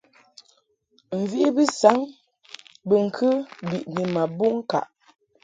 Mvi bi saŋ bɨŋkɨ biʼni ma buʼ ŋkaʼ.